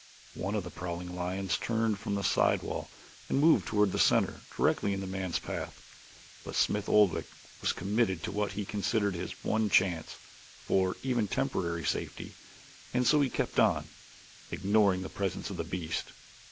One of the prowling lions turned from the side wall and moved toward the center directly in the man's path, but Smith Oldwick was committed to what he considered his one chance, for even temporary safety, and so he kept on, ignoring the presence of the beast.